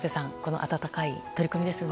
温かい取り組みですよね。